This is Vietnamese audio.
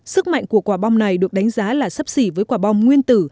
sức mạnh của quả bom này được đánh giá là sấp xỉ với quả bom nguyên tử